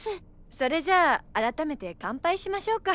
それじゃあ改めて乾杯しましょうか。